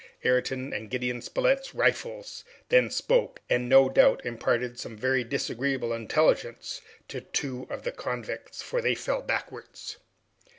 Ayrton's and Gideon Spilett's rifles then spoke, and no doubt imparted some very disagreeable intelligence to two of the convicts, for they fell backwards.